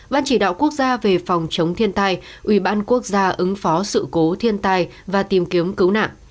ban chỉ đạo quốc gia về phòng chống thiên tai ủy ban quốc gia ứng phó sự cố thiên tai và tìm kiếm cứu nạn